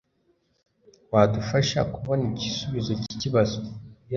Wadufasha kubona igisubizo cyikibazo